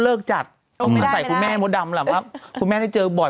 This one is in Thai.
เลิกจัดเอามาใส่คุณแม่โมดดำแบบครับคุณแม่ได้เจอบ่อย